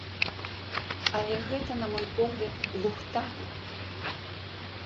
Але гэта, на мой погляд, лухта!